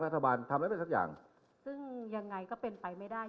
ถามซับอยู่นะ